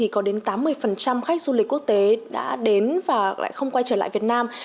có đến tám mươi khách du lịch quốc tế đã đến và lại không quay trở lại việt nam